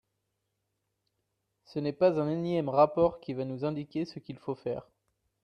Ce n’est pas un énième rapport qui va nous indiquer ce qu’il faut faire.